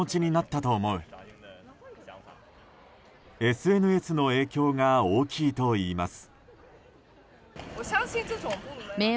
ＳＮＳの影響が大きいといいます。